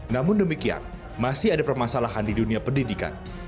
namun demikian masih ada permasalahan di dunia pendidikan